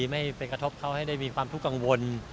ไม่ไปกระทบเขาให้ได้มีความทุกข์กังวล